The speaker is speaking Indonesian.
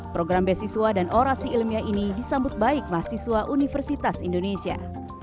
program beasiswa dan orasi ilmiah ini disambut baik mahasiswa universitas indonesia